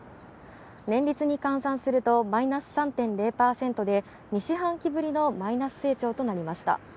年率に換算するとマイナス３．０％で、２期半ぶりのマイナス成長となりました。